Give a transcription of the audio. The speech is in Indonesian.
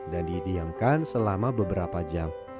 dan didiamkan selama beberapa jam